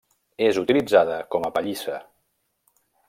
És utilitzada com a pallissa.